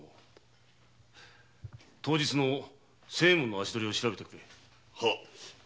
当日の仙右衛門の足どりを調べてくれ。